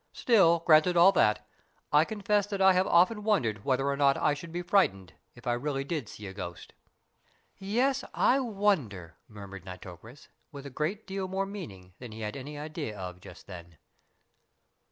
Still, granted all that, I confess that I have often wondered whether or not I should be frightened if I really did see a ghost." "Yes, I wonder?" murmured Nitocris, with a great deal more meaning than he had any idea of just then.